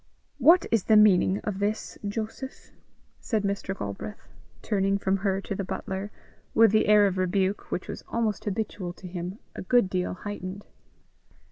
"What is the meaning of this, Joseph?" said Mr. Galbraith, turning from her to the butler, with the air of rebuke, which was almost habitual to him, a good deal heightened.